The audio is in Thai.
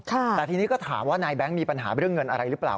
แต่ทีนี้ก็ถามว่านายแบงค์มีปัญหาเรื่องเงินอะไรหรือเปล่า